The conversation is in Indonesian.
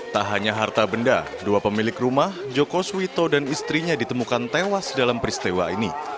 tak hanya harta benda dua pemilik rumah joko swito dan istrinya ditemukan tewas dalam peristiwa ini